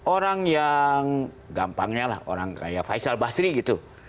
orang yang gampangnya lah orang kayak faisal basri gitu